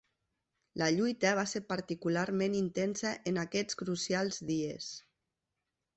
La lluita va ser particularment intensa en aquests crucials dies.